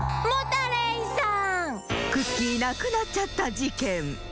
クッキーなくなっちゃったじけん。